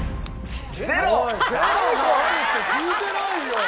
０！０があるって聞いてないよ！